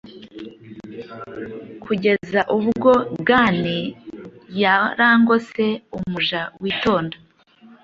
Kugeza ubwo gan yarangose Umuja witonda